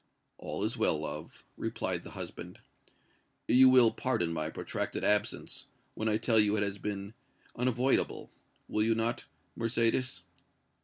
"All is well, love," replied the husband. "You will pardon my protracted absence, when I tell you it has been unavoidable will you not, Mercédès?"